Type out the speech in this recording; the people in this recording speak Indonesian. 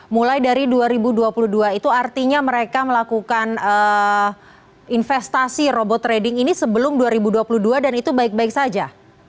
mulai dari dua ribu dua puluh dua itu artinya mereka melakukan investasi robot trading ini sebelum dua ribu dua puluh dua dan itu baik baik saja